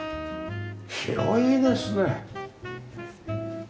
広いですね！